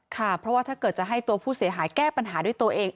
ค่ะเพราะว่าถ้าเกิดจะให้ตัวผู้เสียหายแก้ปัญหาด้วยตัวเอง